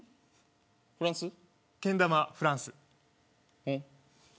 けん玉はフランス。